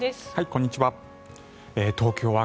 こんにちは。